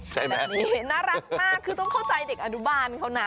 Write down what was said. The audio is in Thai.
ใช่แบบนี้น่ารักมากคือต้องเข้าใจเด็กอนุบาลเขานะ